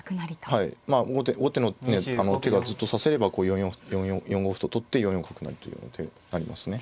はいまあ後手の手がずっと指せればこう４五歩と取って４四角成というような手ありますね。